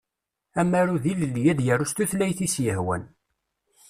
Amaru d ilelli ad yaru s tutlayt i s-yehwan.